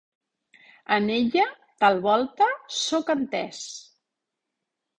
En ella, tal volta, sóc entès;